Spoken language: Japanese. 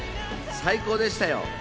最高でしたよ。